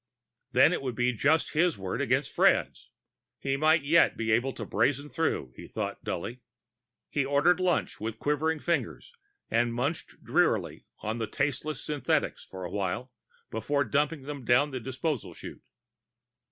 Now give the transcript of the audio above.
Then it would be just his word against Fred's. He might yet be able to brazen through, he thought dully. He ordered lunch with quivering fingers, and munched drearily on the tasteless synthetics for awhile before dumping them down the disposal chute.